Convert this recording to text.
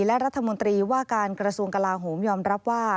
และรัฐมนตรีว่าการกระทรวงกลาโหมยอมรับว่า